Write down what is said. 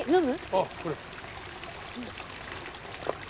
ああくれ。